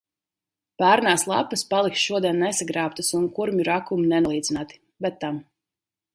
Pērnās lapas paliks šodien nesagrābtas un kurmju rakumi nenolīdzināti. Bet tam.